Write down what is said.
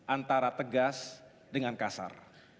antara tegas dengan kasar